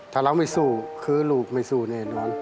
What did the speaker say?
ถ้าเราไม่สู้คือลูกไม่สู้แน่นอน